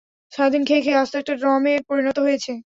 সারাদিন খেয়ে খেয়ে আস্ত একটা ড্রামে পরিণত হয়েছে।